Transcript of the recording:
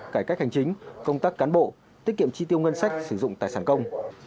cải cách hành chính công tác cán bộ tiết kiệm chi tiêu ngân sách sử dụng tài sản công